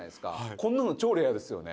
こんなの、超レアですよね。